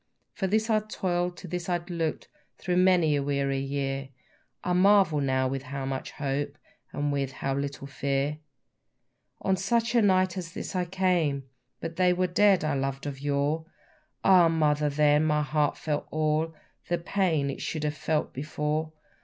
For this I toil'd, to this I look'd through many a weary year, I marvel now with how much hope, and with how little fear. On such a night at last I came, But they were dead I loved of yore. Ah, Mother, then my heart felt all The pain it should have felt before!